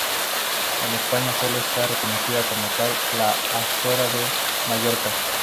En España sólo está reconocida como tal la Albufera de Mallorca.